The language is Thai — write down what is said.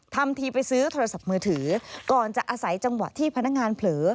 ทำทีไปซื้อโทรศัพท์มือถือก่อนจะอาศัยจังหวะที่พนักงานเผลอ